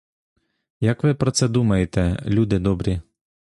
Як ви про це думаєте, люди добрі?